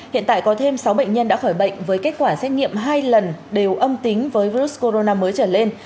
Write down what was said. hiện tại có thêm sáu bệnh nhân đã khỏi bệnh với kết quả xét nghiệm hai lần đều âm tính với virus corona mới trở lên